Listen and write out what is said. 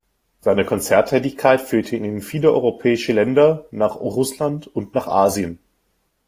Seine Konzerttätigkeit führte ihn in viele europäische Länder, nach Russland und nach Asien.